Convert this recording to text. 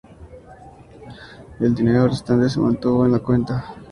El dinero restante se mantuvo en la cuenta.